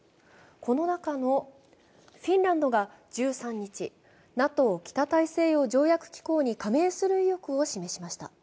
この中のフィンランドが１３日、ＮＡＴＯ＝北大西洋条約機構に加盟する意欲を示しました。